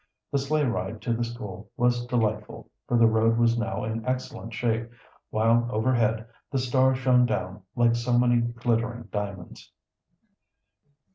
The sleigh ride to the school was delightful, for the road was now in excellent shape, while overhead the stars shone down like so many glittering diamonds.